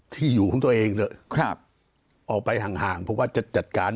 ที่อยู่ของตัวเองเถอะครับออกไปห่างห่างเพราะว่าจะจัดการ